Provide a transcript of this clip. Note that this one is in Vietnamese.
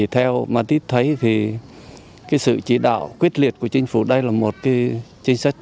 theo mà tít thấy sự chỉ đạo quyết liệt của chính phủ đây là một trinh sách